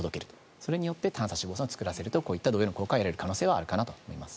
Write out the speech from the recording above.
それによって短鎖脂肪酸を作らせるとそれによって同様の効果を得られる可能性はあるかなと思います。